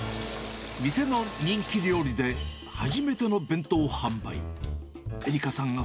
店の人気料理で、初めての弁当販売。